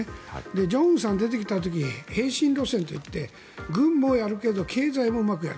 正恩さんが出てきた時は並進路線といって軍もやるけど経済もうまくやる。